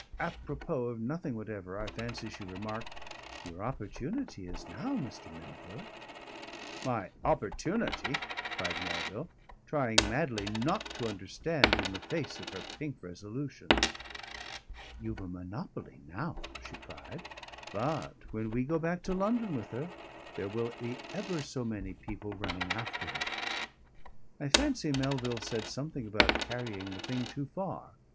Apropos of nothing whatever I fancy she remarked, "Your opportunity is now, Mr. Melville." "My opportunity!" cried Melville, trying madly not to understand in the face of her pink resolution. "You've a monopoly now," she cried. "But when we go back to London with her there will be ever so many people running after her." I fancy Melville said something about carrying the thing too far.